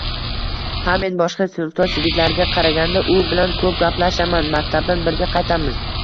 Ha, men boshqa sinfdosh yigitlarga qaraganda u bilan ko`p gaplashaman, maktabdan birga qaytamiz